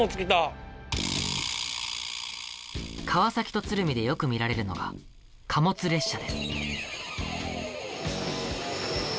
川崎と鶴見でよく見られるのが貨物列車です。